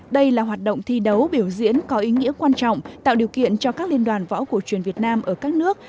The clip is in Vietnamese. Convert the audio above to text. đây là hoạt động thi đấu biểu diễn có ý nghĩa quan trọng tạo điều kiện cho các liên đoàn võ cổ truyền việt nam ở các nước